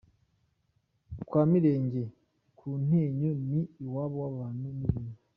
Kwa Mirenge ku Ntenyo ni iwabo w’abantu n’ibintu.